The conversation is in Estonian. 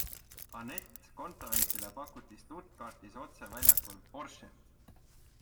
Anett Kontaveitile pakuti Stuttgartis otse väljakul Porschet!